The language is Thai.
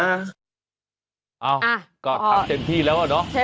เอ้าก็ทำเต็มที่แล้วอะเนาะ